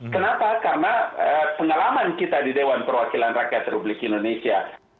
kenapa karena pengalaman kita di dewan perwakilan rakyat republik indonesia